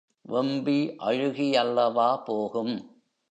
வெம்பி அழுகி அல்லவா போகும்.